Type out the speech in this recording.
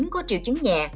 có triệu chứng nhẹ